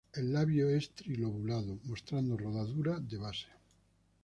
El labio es trilobulado, mostrando rodadura de base.